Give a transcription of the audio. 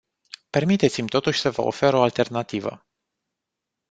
Permiteți-mi, totuși, să vă ofer o alternativă.